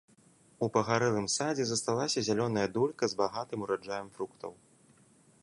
У пагарэлым садзе засталася зялёная дулька з багатым ураджаем фруктаў.